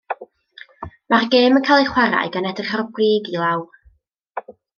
Mae'r gêm yn cael ei chwarae gan edrych o'r brig i lawr.